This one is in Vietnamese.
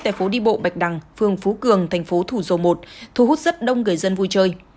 tại phố đi bộ bạch đằng phường phú cường thành phố thủ dầu một thu hút rất đông người dân vui chơi